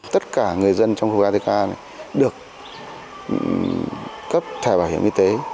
tất cả người dân trong khu vực atk được cấp thẻ bảo hiểm y tế